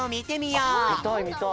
みたいみたい。